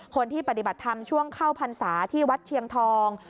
ปฏิบัติธรรมช่วงเข้าพรรษาที่วัดเชียงทอง